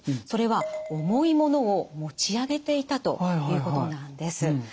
それは重い物を持ち上げていたということなんです。